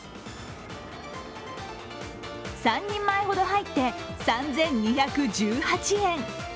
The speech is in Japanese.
３人前ほど入って３２１８円。